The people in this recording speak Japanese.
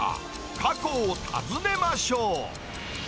過去を訪ねましょう。